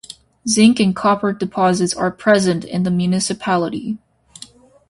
Zinc and copper deposits are present in the municipality.